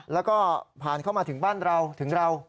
แล้วก็ผ่านเข้ามาถึงบ้านเราถึงเรา